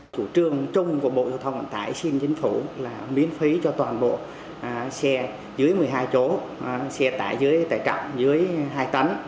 bộ giao thông tài xin chính phủ miễn phí cho toàn bộ xe dưới một mươi hai chỗ xe tải dưới tải trọng dưới hai tấn